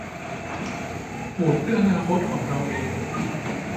โหวตเพื่ออนาคตเราเอง